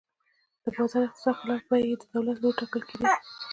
د بازار اقتصاد خلاف بیې د دولت له لوري ټاکل کېدې.